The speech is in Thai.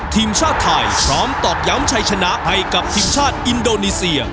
ทีมชาติไทยพร้อมตอกย้ำชัยชนะให้กับทีมชาติอินโดนีเซีย